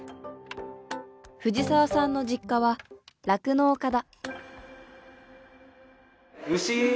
藤澤さんの実家は酪農家だ。